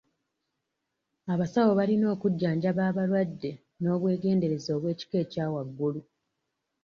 Abasawo balina okujjanjaba balwadde n'obwegendereza obw'ekika ekya waggulu.